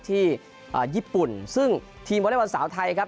ที่ญี่ปุ่นซึ่งทีมวอเล็กบอลสาวไทยครับ